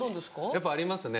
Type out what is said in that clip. やっぱありますね